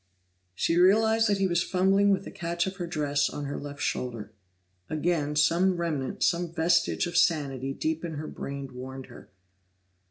She realized that he was fumbling with the catch of her dress on her left shoulder; again some remnant, some vestige of sanity deep in her brain warned her.